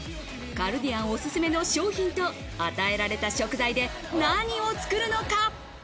カルディアンおすすめの商品と、与えられた食材で何を作るのか。